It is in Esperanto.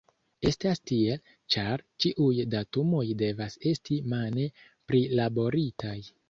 Estas tiel, ĉar ĉiuj datumoj devas esti mane prilaboritaj.